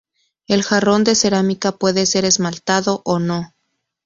El jarrón de cerámica puede ser esmaltado o no.